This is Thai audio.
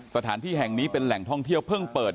สถานที่แห่งนี้เป็นแหล่งท่องเที่ยวเพิ่งเปิด